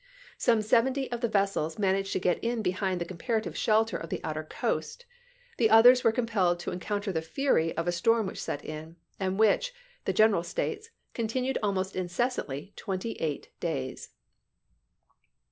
Some seventy of the vessels managed to get in behind the comparative shelter of the outer coast ; the others were compelled to encounter the fury of a storm r^J^^^^; which set in, and which, the general states, con ^^sS/^' tinned almost incessantly twenty eight days.